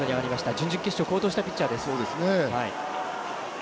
準々決勝好投したピッチャーです。